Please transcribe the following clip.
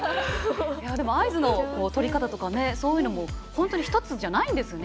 合図のとり方とかそういうのも１つじゃないんですね。